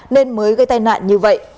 nên mới gây tai nạn như vậy